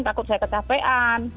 takut saya kecapean